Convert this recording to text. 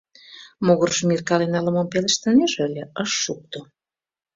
Могыржым иркален, ала-мом пелештынеже ыле, ыш шукто.